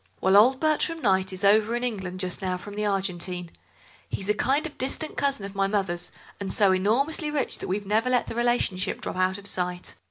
"Well, old Bertram Kneyght is over in England just now from the Argentine. He's a kind of distant cousin of my mother's, and so enormously rich that we've never let the relationship drop out of sight.